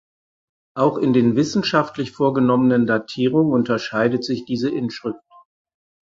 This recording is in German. Auch in den wissenschaftlich vorgenommenen Datierungen unterscheidet sich diese Inschrift.